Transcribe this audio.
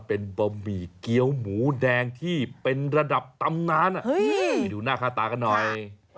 เป็นบะหมี่เกี้ยวหมูแดงที่เป็นระดับตำนานไปดูหน้าค่าตากันหน่อย